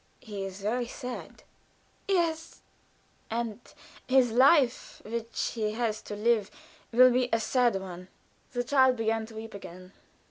"He is very sad." "Yes." "And his life which he has to live will be a sad one." The child began to weep again.